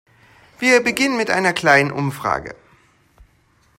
Wir beginnen mit einer kleinen Umfrage.